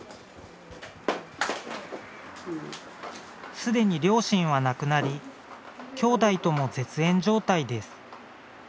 すでに両親は亡くなり兄弟とも絶縁状態です。